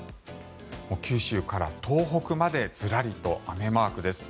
九州から東北までずらりと雨マークです。